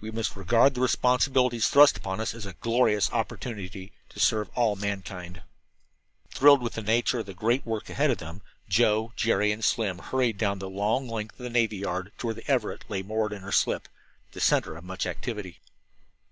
We must regard the responsibilities thrust upon us as a glorious opportunity to serve all of mankind." Thrilled with the nature of the great work ahead of them, Joe, Jerry and Slim hurried down the long length of the navy yard to where the Everett lay moored to her slip, the center of much activity.